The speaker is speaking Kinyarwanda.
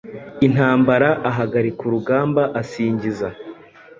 Intambara ahagarika urugamba asingiza